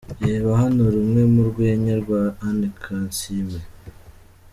Reba hano rumwe mu rwenya rwa Anne Kansiime.